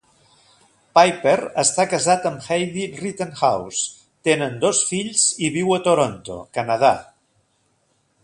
Pyper està casat amb Heidi Rittenhouse, tenen dos fills i viu a Toronto, Canadà.